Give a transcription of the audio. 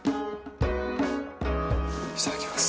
いただきます。